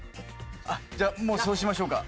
あっじゃあもうそうしましょうか。